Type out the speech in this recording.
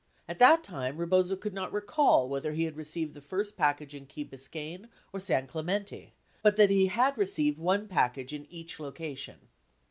At that time, Bebozo could not recall whether he received the first package in Key Biscayne or San Clemente, but that he had received one package in each location.